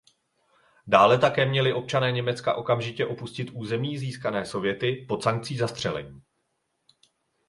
Dále také měli občané Německa okamžitě opustit území získané Sověty pod sankcí zastřelení.